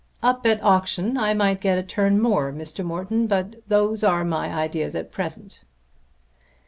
"Up at auction I might get a turn more, Mr. Morton; but those are my ideas at present."